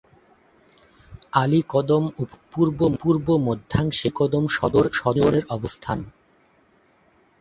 আলীকদম উপজেলার পূর্ব-মধ্যাংশে আলীকদম সদর ইউনিয়নের অবস্থান।